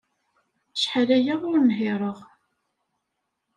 Acḥal aya ur nhireɣ.